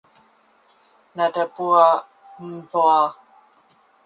Nadaobua mbew'a.